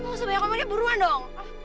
oh sebanyak komennya berulang dong